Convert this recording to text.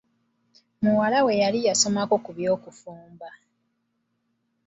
Muwala we yali yasomako ku by'okufumba.